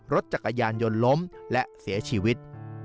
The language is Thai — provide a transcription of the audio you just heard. รถจักรยานยนต์ล้มและเสียชีวิต